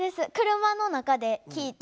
車の中で聴いて。